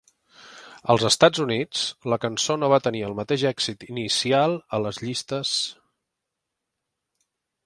Als Estats Units, la cançó no va tenir el mateix èxit inicial a les llistes.